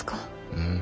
うん。